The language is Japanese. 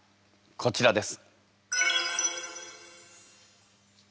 こちらです。